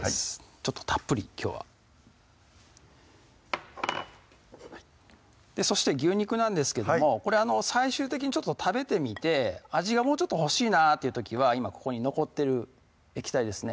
ちょっとたっぷりきょうはそして牛肉なんですけどもこれ最終的に食べてみて味がもうちょっと欲しいなという時は今ここに残ってる液体ですね